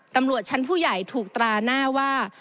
ตำรวจชั้นผู้ใหญ่ถูกตราหน้าว่า